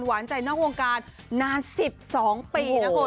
หวานใจนอกวงการนาน๑๒ปีนะคุณ